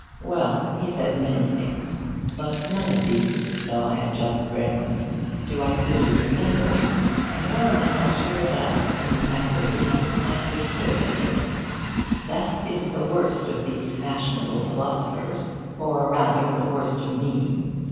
well, he says many things; but none of these, though I have just read them, do I clearly remember, nor am I sure that in the act of reading I understood any of them. That is the worst of these fashionable philosophers or rather, the worst of me.